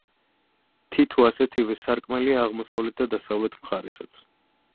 თითო ასეთივე სარკმელია აღმოსავლეთ და დასავლეთ მხარესაც.